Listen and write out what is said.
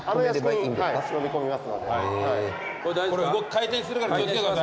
回転するから気を付けてください。